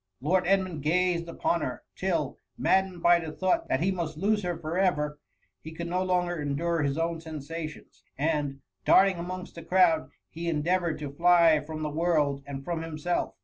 Lord Edmund gased upon her, till, maddened by the thought that he must lose her for ever, he could no longer endure his owp sensations, and, darting amongst the crowd, he endeavour ed to fly from the. world and from himself.